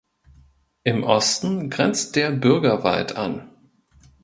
Im Osten grenzt der "Bürgerwald" an.